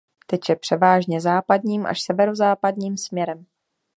Teče převážně západním až severozápadním směrem.